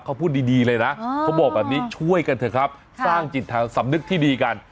เขาพูดดีเลยนะเขาบอกแบบนี้ช่วยกันเถอะครับสร้างจิตทางสำนึกที่ดีกัน